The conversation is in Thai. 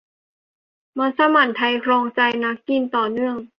มัสมั่นไทยครองใจนักกินต่อเนื่อง